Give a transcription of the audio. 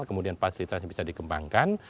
kemudian fasilitasnya bisa dikembangkan